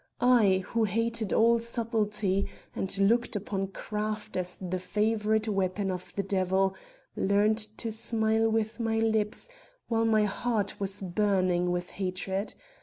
I, who hated all subtlety and looked upon craft as the favorite weapon of the devil, learned to smile with my lips while my heart was burning with hatred.